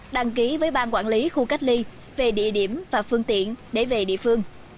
đăng ký với bang quản lý khu cách ly về địa điểm và phương tiện để về địa phương